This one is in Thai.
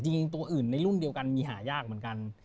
ตัวอื่นในรุ่นเดียวกันมีหายากเหมือนกัน